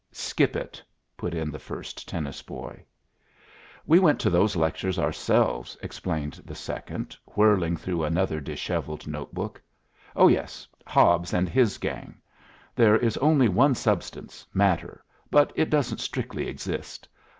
"Skip it," put in the first tennis boy. "We went to those lectures ourselves," explained the second, whirling through another dishevelled notebook. "Oh, yes. Hobbes and his gang. There is only one substance, matter, but it doesn't strictly exist.